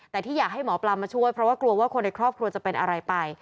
แต่ที่อยากให้หมอปลามาช่วยเพราะว่ากลัวว่าคนในครอบครัวจะเป็นอะไรไป